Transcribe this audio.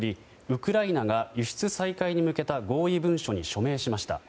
ウクライナが輸出再開に向けた合意文書に署名しました。